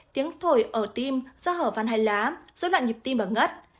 tiếng thổi ở tim gió hở văn hay lá dối loạn nhịp tim và ngất